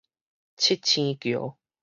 七星橋